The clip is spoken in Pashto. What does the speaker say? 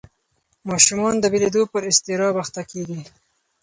ماشومان د بېلېدو پر اضطراب اخته کېږي.